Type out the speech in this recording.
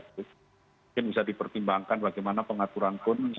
mungkin bisa dipertimbangkan bagaimana pengaturan pun